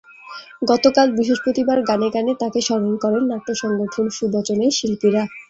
গতকাল বৃহস্পতিবার গানে গানে তাঁকে স্মরণ করেন নাট্য সংগঠন সুবচনের শিল্পীরা।